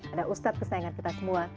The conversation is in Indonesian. ada ustadz kesayangan kita semua